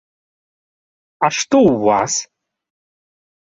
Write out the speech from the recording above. А што ў вас?